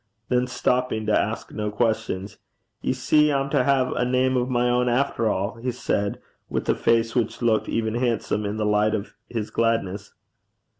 Then, stopping to ask no questions, 'Ye see I'm to hae a name o' my ain efter a',' he said, with a face which looked even handsome in the light of his gladness.